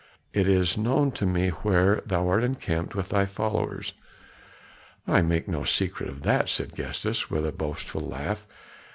It is known to me where thou art encamped with thy followers." "I make no secret of that," said Gestas with a boastful laugh.